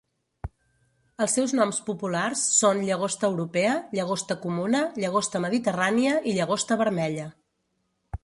Els seus noms populars són llagosta europea, llagosta comuna, llagosta mediterrània i llagosta vermella.